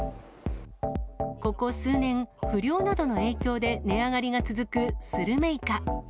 ここ数年、不漁などの影響で値上がりが続くスルメイカ。